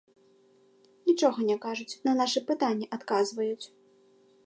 Нічога не кажуць, на нашы пытанні адказваюць.